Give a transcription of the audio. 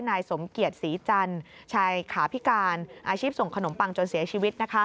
นายสมเกียรติศรีจันทร์ชายขาพิการอาชีพส่งขนมปังจนเสียชีวิต